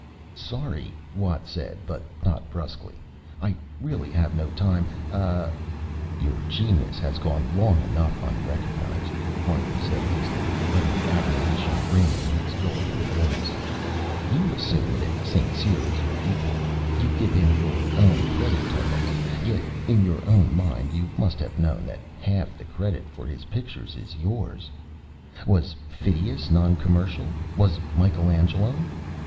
"Sorry," Watt said, but not, bruskly. "I really have no time ah " "Your genius has gone long enough unrecognized," Martin said hastily, letting admiration ring in his golden voice. "You assume that St. Cyr is your equal. You give him your own credit titles. Yet in your own mind you must have known that half the credit for his pictures is yours. Was Phidias non commercial? Was Michaelangelo?